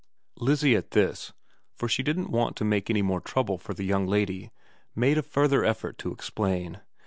Lizzie at this for she didn't want to make any more trouble for the young lady made a further effort to explain.